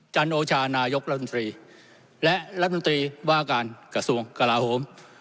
จันโอชานายกรัฐมนตรีและรัฐมนตรีว่าการกระทรวงกลาโหม